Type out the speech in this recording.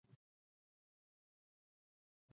Ikertzen eta estilo ezberdinak lantzen jarraitzen dugu.